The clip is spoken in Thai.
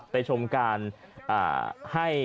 ชมการให้